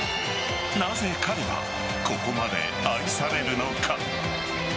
なぜ彼はここまで愛されるのか。